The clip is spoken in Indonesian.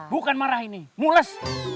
bukan marah ini mules